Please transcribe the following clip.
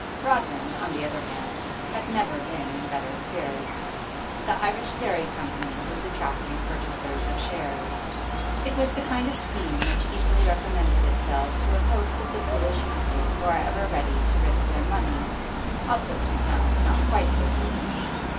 Rodman, on the other hand, had never been in better spirits. The 'Irish Dairy Company' was attracting purchasers of shares. It was the kind of scheme which easily recommended itself to a host of the foolish people who are ever ready to risk their money, also to some not quite so foolish.